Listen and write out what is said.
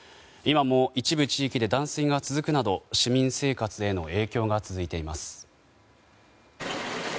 今も一部地域で断水が続くなど市民生活への影響が続いています。